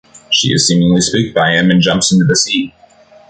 She is seemingly spooked by him and jumps into the sea.